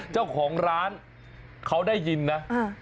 เจ้าของร้านเขาได้ยินนะ